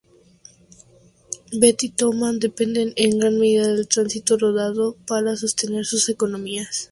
Beatty y Tonopah dependen en gran medida del tránsito rodado para sostener sus economías.